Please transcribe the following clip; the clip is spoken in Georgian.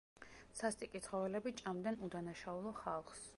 სასტიკი ცხოველები ჭამდნენ უდანაშაულო ხალხს.